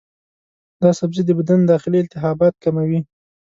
دا سبزی د بدن داخلي التهابات کموي.